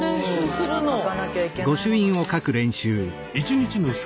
書かなきゃいけないものね。